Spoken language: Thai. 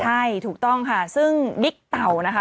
ใช่ถูกต้องค่ะซึ่งบิ๊กเต่านะคะ